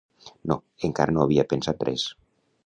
—No, encara no havia pensat res.